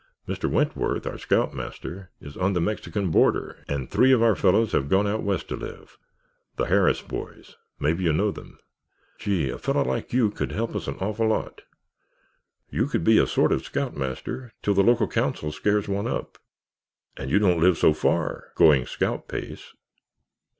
Mr. Wentworth, our scoutmaster, is on the Mexican border and three of our fellows have gone out west to live—the Harris boys—maybe you know of them. Gee, a fellow like you could help us an awful lot. You could be a sort of scoutmaster till the Local Council scares one up. And you don't live so far—going scout pace.